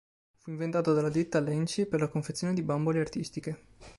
Fu inventato dalla ditta Lenci per la confezione di bambole artistiche.